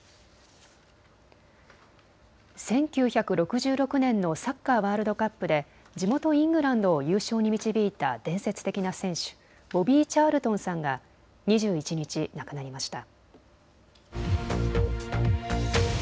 １９６６年のサッカーワールドカップで地元イングランドを優勝に導いた伝説的な選手、ボビー・チャールトンさんが２１日、亡くなりました。